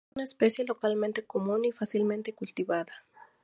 Es una especie localmente común y fácilmente cultivada.